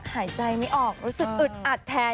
หายใจไม่ออกรู้สึกอึดอัดแทน